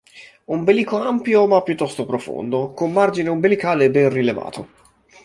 Ombelico ampio ma piuttosto profondo, con margine ombelicale ben rilevato.